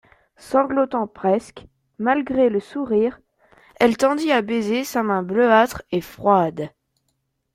Sanglotant presque, malgré le sourire, elle tendit à baiser sa main bleuâtre et froide.